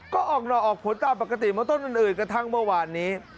ก็ออกหล่อออกผลตามปกติเหมือนต้นอื่นกระทั่งเมื่อวานนี้